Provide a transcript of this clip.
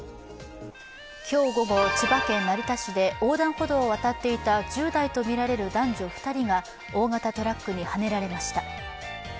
今日午後、千葉県成田市で横断歩道を渡っていた１０代とみられる男女２人が大型トラックにはねられました。